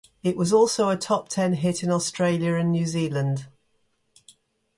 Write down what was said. It was also a top ten hit in Australia and New Zealand.